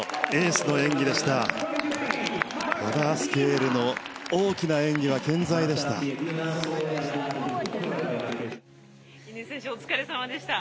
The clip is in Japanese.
スケールの大きな演技は健在でした。